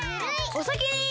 おさきに！